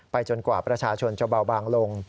จนกว่าประชาชนจะเบาบางลง